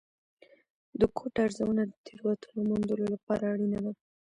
د کوډ ارزونه د تېروتنو موندلو لپاره اړینه ده.